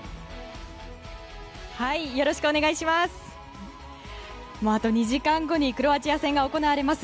よろしくお願いします。